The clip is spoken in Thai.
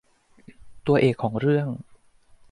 ตัวเอกของเรื่อง